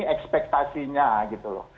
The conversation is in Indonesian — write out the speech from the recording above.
ini ekspektasinya gitu loh